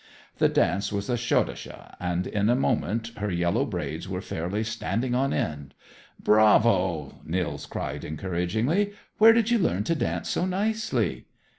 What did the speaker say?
The dance was a schottische, and in a moment her yellow braids were fairly standing on end. "Bravo!" Nils cried encouragingly. "Where did you learn to dance so nicely?"